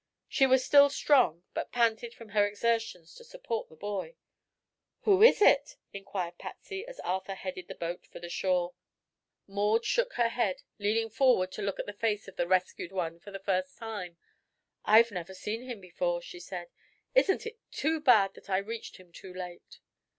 She was still strong, but panted from her exertions to support the boy. "Who is it?" inquired Patsy, as Arthur headed the boat for the shore. Maud shook her head, leaning forward to look at the face of the rescued one for the first time. "I've never seen him before," she said. "Isn't it too bad that I reached him too late?"